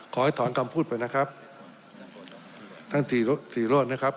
ขอให้ถอนคำพูดไปนะครับท่านศรีโรธนะครับ